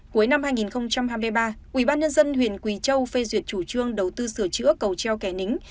cuối năm hai nghìn hai mươi ba ubnd huyện quỳ châu phê duyệt chủ trương đầu tư sửa chữa cầu treo kẻ nính